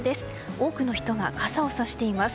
多くの人が傘をさしています。